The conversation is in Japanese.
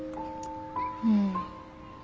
うん。